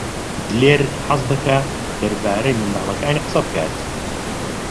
دلێر حەز دەکات دەربارەی منداڵەکانی قسە بکات.